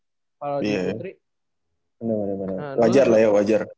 bener bener wajar lah ya wajar